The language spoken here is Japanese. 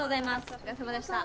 お疲れさまでした。